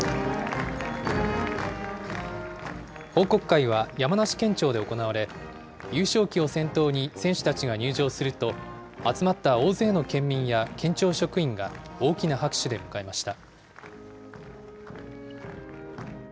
報告会は山梨県庁で行われ、優勝旗を先頭に、選手たちが入場すると、集まった大勢の県民や県庁職員が大きな拍手で迎えました。